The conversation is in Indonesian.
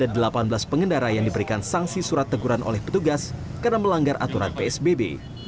ada delapan belas pengendara yang diberikan sanksi surat teguran oleh petugas karena melanggar aturan psbb